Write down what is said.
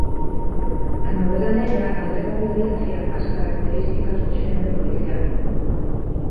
A novela negra agrega a violencia ás características do xénero policial.